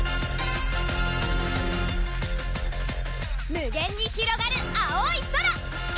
無限にひろがる青い空！